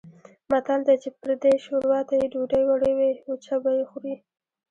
متل دی: چې پردۍ شوروا ته یې ډوډۍ وړوې وچه به یې خورې.